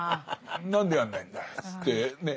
「何でやんないんだい」って言ってね。